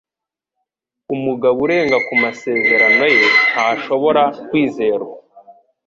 Umugabo urenga ku masezerano ye ntashobora kwizerwa.